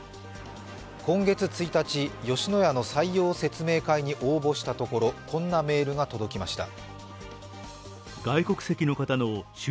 今月１日、吉野家の採用説明会に応募したところこんなメールが届きました。